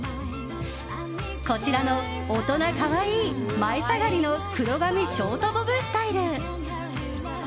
こちらの大人可愛い、前下がりの黒髪ショートボブスタイル。